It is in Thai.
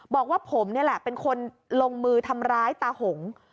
บอกว่าผมนี่แหละเป็นคนลงมือทำร้ายตาหง